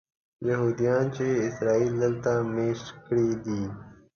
یهودیان چې اسرائیل دلته مېشت کړي دي.